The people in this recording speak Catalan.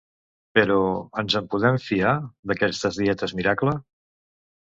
Però, ens en podem fiar, d’aquestes dietes «miracle»?